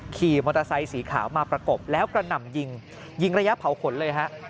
ขี่มอเตอร์ไซค์สีขาวมาประกบแล้วกระหน่ำยิงยิงระยะเผาขนเลยฮะ